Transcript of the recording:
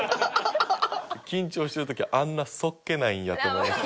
緊張してる時あんなそっけないんやって思いました。